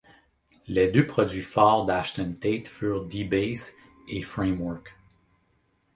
Les deux produits phare d'Ashton Tate furent dBase et Framework.